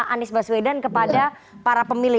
anies baswedan kepada para pemilih